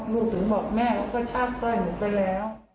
ลูกถึงบอกแม่เขาก็ชาดซ่อยหนูไปแล้ว